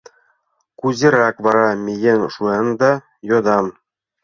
— Кузерак вара миен шуында? — йодам.